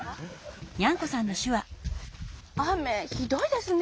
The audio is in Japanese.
雨ひどいですね。